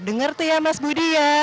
dengar tuh ya mas budi ya